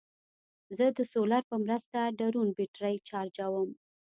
زه د سولر په مرسته ډرون بیټرۍ چارجوم.